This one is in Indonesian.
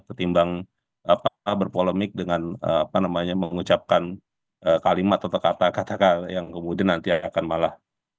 ketimbang berpolemik dengan apa namanya mengucapkan kalimat atau kata kata yang kemudian nanti akan malah